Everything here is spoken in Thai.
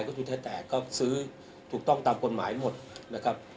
ก็ช่วยแตะก็ซื้อถูกต้องตามควรหมายหมดนะครับ